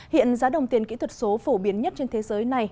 hiện giá đồng tiền kỹ thuật số phổ biến nhất trên thế giới này